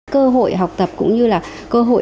cơ hội học tập cơ hội học tập cơ hội học tập